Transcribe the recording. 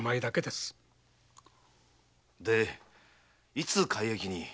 でいつ改易に？